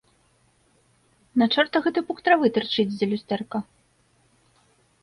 На чорта гэты пук травы тырчыць з-за люстэрка?